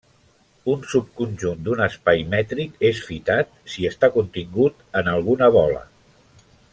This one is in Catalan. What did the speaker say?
Un subconjunt d'un espai mètric és fitat si està contingut en alguna bola.